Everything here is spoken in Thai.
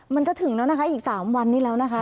มันก็ถึงแล้วนะคะอีก๓วันนี้แล้วนะคะ